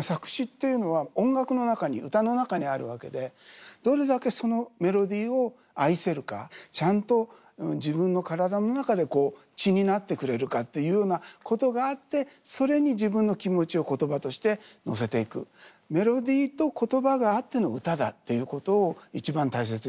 作詞っていうのは音楽の中に歌の中にあるわけでどれだけそのメロディーを愛せるかちゃんと自分の体の中で血になってくれるかっていうようなことがあってそれに自分の気持ちを言葉として乗せていく。っていうことを一番大切にしています。